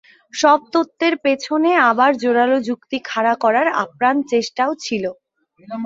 সব তত্ত্বের পেছনে আবার জোরালো যুক্তি খাড়া করার আপ্রাণ চেষ্টাও ছিল।